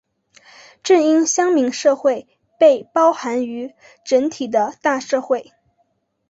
正因乡民社会被包含于整体的大社会。